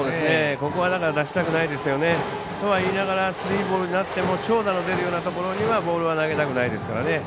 ここは、だから出したくないですよね。とはいいながらスリーボールになっても長打が出るようなところにはボールは投げたくないですからね。